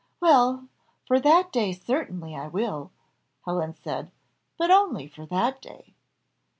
"Well, for that day certainly I will," Helen said; "but only for that day."